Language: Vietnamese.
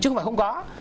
chứ không phải không có